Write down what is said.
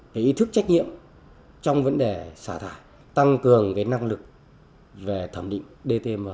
cái ý thức trách nhiệm trong vấn đề xả thải tăng cường cái năng lực về thẩm định dtm